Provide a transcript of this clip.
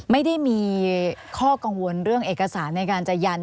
ไม่ได้มีข้อกังวลเรื่องเอกสารในการจะยัน